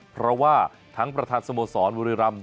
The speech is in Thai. เพราะว่าทั้งประธานสโมสรวริรัมน์